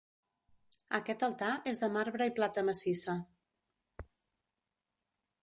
Aquest altar és de marbre i plata massissa.